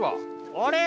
あれ？